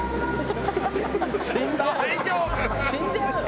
「死んじゃうよ！